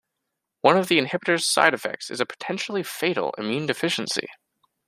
One of the inhibitor's side effects is a potentially fatal immune deficiency.